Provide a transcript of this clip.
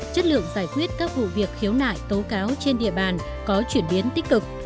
chất lượng giải quyết các vụ việc khiếu nại tố cáo trên địa bàn có chuyển biến tích cực